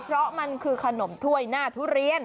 เพราะมันคือขนมถ้วยหน้าทุเรียน